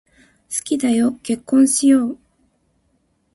好きだよ、結婚しよう。